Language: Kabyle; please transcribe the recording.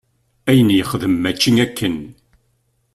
Ayen yexdem mačči akken.